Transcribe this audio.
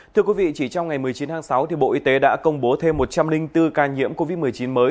thưa quý vị chỉ trong ngày một mươi chín tháng sáu bộ y tế đã công bố thêm một trăm linh bốn ca nhiễm covid một mươi chín mới